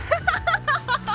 ハハハハ。